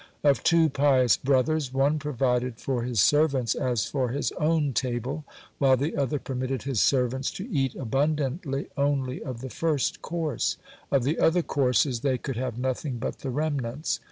Of two pious brothers, one provided for his servants as for his own table, while the other permitted his servants to eat abundantly only of the first course; of the other courses they could have nothing but the remnants.